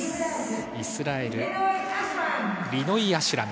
イスラエル、リノイ・アシュラム。